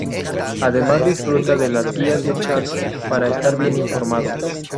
Además disfruta de las guías de chats para estar bien informado.